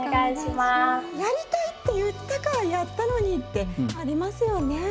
「やりたい」って言ったからやったのにってありますよね。